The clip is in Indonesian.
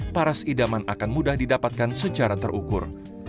paras idaman akan mudah didapatkan secara terukur